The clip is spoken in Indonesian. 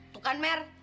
tuh kan mer